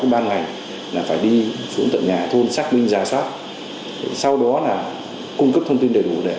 công an ngành là phải đi xuống tận nhà thôn xác minh ra xác sau đó là cung cấp thông tin đầy đủ để